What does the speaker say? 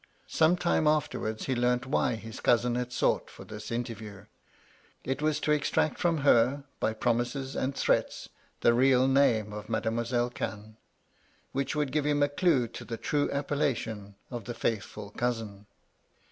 Some time afterwards he learnt why bis cousin had sought for this interview. It was to MY LADY LUDLOW. 167 extrax^ from her, by promises and threats, the real name of Mam'selle Cannes, which would give him a clue to the true appellation of The Faithful Cousin.